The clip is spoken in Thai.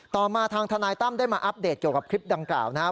มาทางทนายตั้มได้มาอัปเดตเกี่ยวกับคลิปดังกล่าวนะครับ